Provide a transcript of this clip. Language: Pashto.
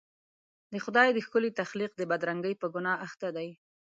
د خدای د ښکلي تخلیق د بدرنګۍ په ګناه اخته دي.